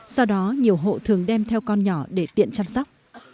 sau đó nhiều hộ thường đem theo con nhỏ để tiện chăm sóc